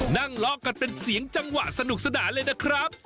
เลาะกันเป็นเสียงจังหวะสนุกสนานเลยนะครับ